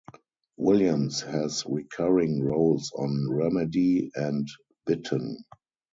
Williams has recurring roles on "Remedy" and "Bitten".